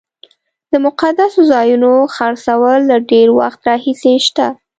د مقدسو ځایونو خرڅول له ډېر وخت راهیسې شته.